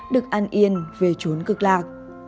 được an yên về chốn cược lạc